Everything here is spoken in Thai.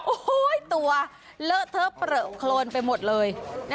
โอ้ยตัวเลอะเทอะปะเฌิงพันไปหมดเลย